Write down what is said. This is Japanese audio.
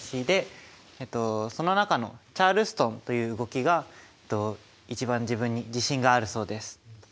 でその中のチャールストンという動きが一番自分に自信があるそうです。